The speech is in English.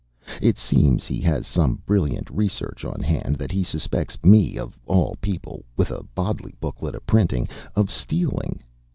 It seems he has some brilliant research on hand that he suspects me of all people with a Bodley Booklet a printing! of stealing.